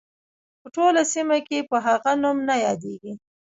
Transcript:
په ټوله سیمه کې په هغه نوم نه یادیږي.